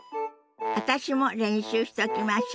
私も練習しときましょ。